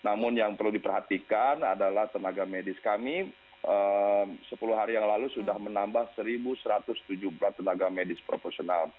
namun yang perlu diperhatikan adalah tenaga medis kami sepuluh hari yang lalu sudah menambah satu satu ratus tujuh belas tenaga medis proporsional